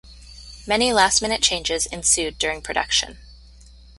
Many last-minute changes ensued during production.